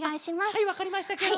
はいわかりましたケロ。